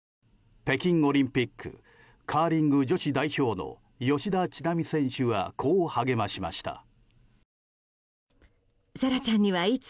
北京オリンピックカーリング女子代表の吉田知那美選手はこう励ましました。